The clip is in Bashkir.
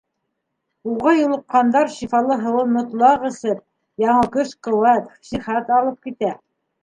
Уға юлыҡҡандар шифалы һыуын мотлаҡ эсеп, яңы көс-ҡеүәт, сихәт алып китә.